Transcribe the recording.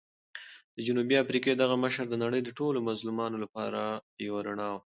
د جنوبي افریقا دغه مشر د نړۍ د ټولو مظلومانو لپاره یو رڼا وه.